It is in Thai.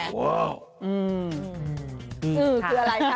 คืออะไรคะ